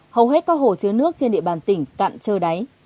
hầu hết các hồ chứa nước trên địa bàn tỉnh cạn trơ đáy